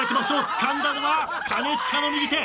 つかんだのは兼近の右手。